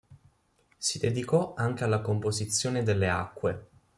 Si dedicò anche alla composizione delle acque.